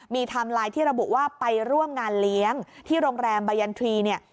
มีทำลายที่ระบุว่าไปร่วมงานเลี้ยงที่โรงแรมบายันทรีย์